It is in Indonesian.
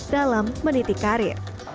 dalam menitik karir